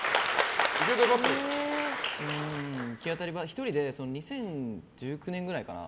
１人で、２０１９年くらいかな